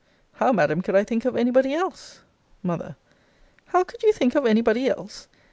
How, Madam, could I think of any body else? M. How could you think of any body else?